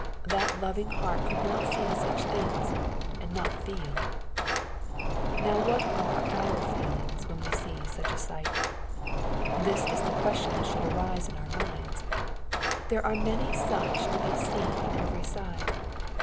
That loving heart could not see such things^ and not feeL Now what are our feelings when we see such a sight ? This is the question that should arise in our minds. There are many such to be seen on every side.